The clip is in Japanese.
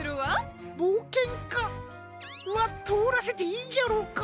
ぼうけんかはとおらせていいんじゃろうか？